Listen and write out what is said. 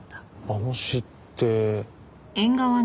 あの詩って。